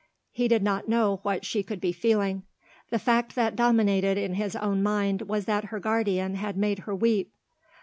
He did not know what she could be feeling; the fact that dominated in his own mind was that her guardian had made her weep.